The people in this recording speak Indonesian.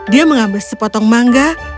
dia mengambil sepotong mangga